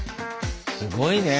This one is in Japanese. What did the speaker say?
すごいね。